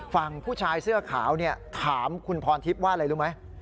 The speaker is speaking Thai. ฝั่งผู้ชายเสื้อขาวถามคุณพรทิพย์ว่าอะไรรู้ไหม